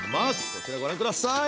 こちらごらんください。